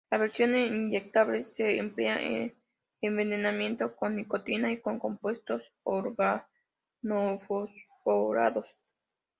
La versión en inyectable se emplea en envenenamiento con nicotina y con compuestos organofosforados.